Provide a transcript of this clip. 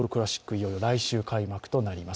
いよいよ来週開幕となります。